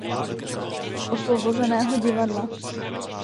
Osvobozeného divadla.